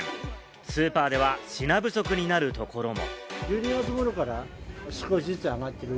スーパーでは品不足になるところも。